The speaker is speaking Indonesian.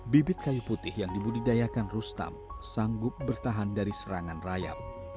bibit kayu putih yang dibudidayakan rustam sanggup bertahan dari serangan rayap